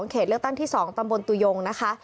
เขตเลือกตั้งที่๒ตำบลตุยงนะคะ